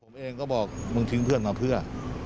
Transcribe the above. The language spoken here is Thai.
ผมเองก็บอกมึงทิ้งเพื่อนมาเพื่อ